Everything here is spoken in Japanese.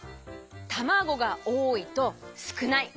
たまごがおおいとすくない。